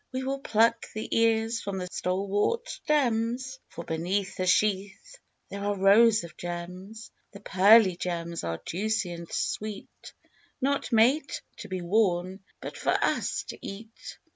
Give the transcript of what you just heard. We will pluck the ears from the stalwart stems, For beneath the sheath there are rows of "gems," The pearly gems are juicy and sweet, Not made to be worn, but for us to eat.